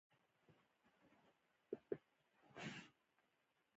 موزیک نفرت ماتوي.